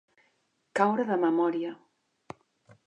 Caure de memòria.